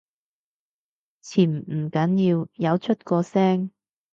潛唔緊要，有出過聲